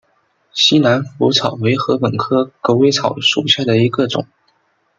西南莩草为禾本科狗尾草属下的一个种。